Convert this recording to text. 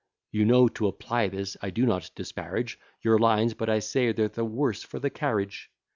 You know to apply this I do not disparage Your lines, but I say they're the worse for the carriage.